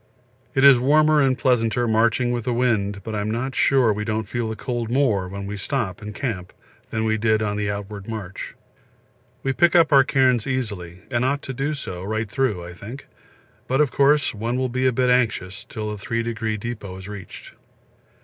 It is warmer and pleasanter marching with the wind, but I'm not sure we don't feel the cold more when we stop and camp than we did on the outward march. We pick up our cairns easily, and ought to do so right through, I think; but, of course, one will be a bit anxious till the Three Degree Depot is reached.